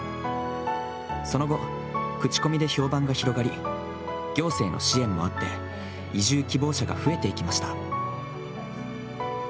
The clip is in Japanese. その後、口コミで評判が広がり行政の支援もあって移住希望者が増えていきました。